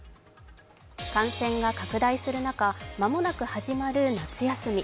感染が拡大する中間もなく始まる夏休み。